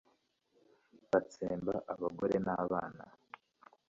batsemba abagore n'abana